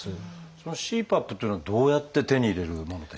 そのＣＰＡＰっていうのはどうやって手に入れるものでしょう？